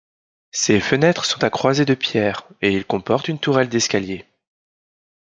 Ses fenêtres sont à croisées de pierre et il comporte une tourelle d'escalier.